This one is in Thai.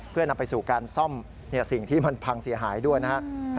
เพื่อนำไปสู่การซ่อมสิ่งที่มันพังเสียหายด้วยนะครับ